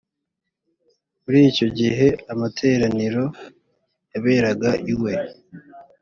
muri icyo gihe amateraniro yaberaga iwe.